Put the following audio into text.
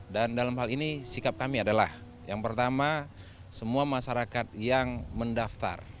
dan dalam hal ini sikap kami adalah yang pertama semua masyarakat yang mendaftar